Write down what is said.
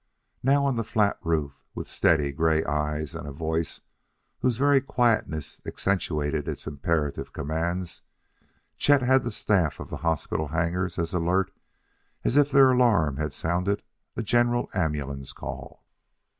Now, on the flat roof, with steady, gray eyes and a voice whose very quietness accentuated its imperative commands, Chet had the staff of the hospital hangars as alert as if their alarm had sounded a general ambulance call.